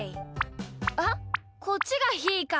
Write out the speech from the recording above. あっこっちがひーか！